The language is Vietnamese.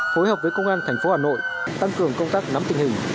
phối hợp với công an tp hà nội tăng cường công tác nắm tình hình